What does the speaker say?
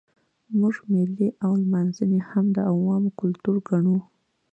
موږ مېلې او لمانځنې هم د عوامو کلتور ګڼو.